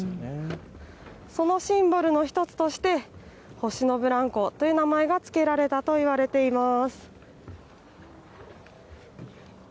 そのシンボルの一つとして星のブランコという名前がつけられたといわれています。